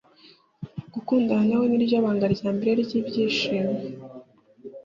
gukundana nawe ni ryo banga rya mbere ry'ibyishimo